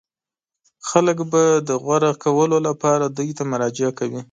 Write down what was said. خلک به د غوره کولو لپاره دوی ته مراجعه کوي.